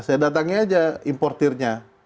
saya datangnya aja importernya